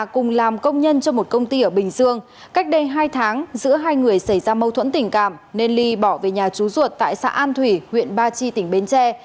cách đây hai tháng giữa hai người xảy ra mâu thuẫn tình cảm nên ly bỏ về nhà chú ruột tại xã an thủy huyện ba chi tỉnh bến tre